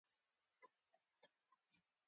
مسیر بېرته راتګ نلري.